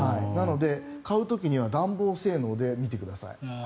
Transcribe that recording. なので買う時は暖房性能で見てください。